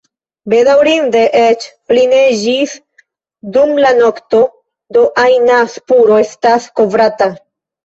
Bedaŭrinde, eĉ pli neĝis dum la nokto, do ajna spuro estas kovrata.